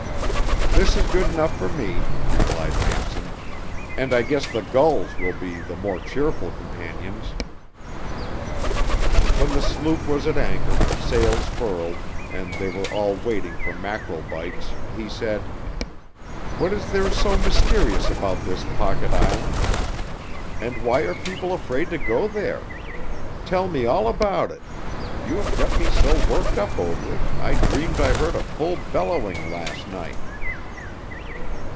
"This is good enough for me," replied Manson, "and I guess the gulls will be the more cheerful companions!" When the sloop was at anchor, sails furled, and they were all waiting for mackerel bites, he said: "What is there so mysterious about this Pocket Island, and why are people afraid to go there? Tell me all about it! You have got me so worked up over it, I dreamed I heard a bull bellowing last night."